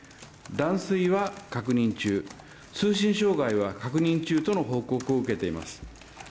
断水は確認中、通信障害は確認中との報告を受けています。